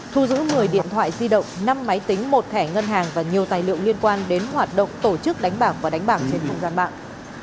thu giữ một mươi điện thoại di động năm máy tính một thẻ ngân hàng và nhiều tài liệu liên quan đến hoạt động tổ chức đánh bạc và đánh bạc trên không gian mạng